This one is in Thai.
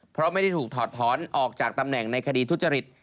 เพราะไม่ได้ถูกถอดถอนออกจากตำแหน่งในคดีทุจริต